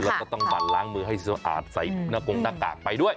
แล้วก็ต้องบั่นล้างมือให้สะอาดใส่หน้ากงหน้ากากไปด้วย